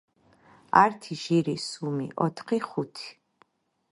ართი, ჟირი , სუმი, ოთხი, ხუთი